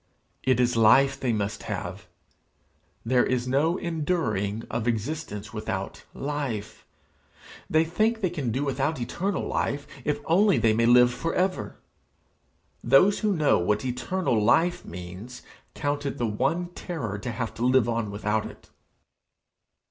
It is life they must have; there is no enduring of existence without life. They think they can do without eternal life, if only they may live for ever! Those who know what eternal life means count it the one terror to have to live on without it.